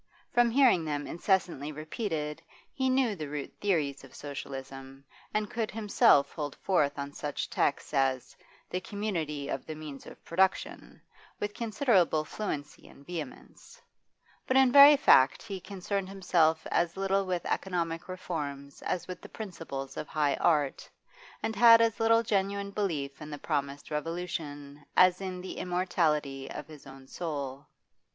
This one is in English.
From hearing them incessantly repeated he knew the root theories of Socialism, and could himself hold forth on such texts as 'the community of the means of production' with considerable fluency and vehemence; but in very fact he concerned himself as little with economic reforms as with the principles of high art, and had as little genuine belief in the promised revolution as in the immortality of his own soul.